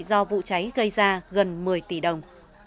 do vụ cháy gây ra gần một mươi tỷ đồng